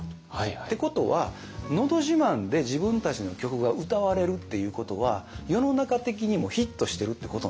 ってことは「のど自慢」で自分たちの曲が歌われるっていうことは世の中的にもヒットしてるってことなんですよ。